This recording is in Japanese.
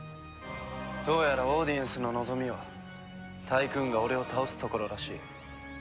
どうやらオーディエンスの望みはタイクーンが俺を倒すところらしい。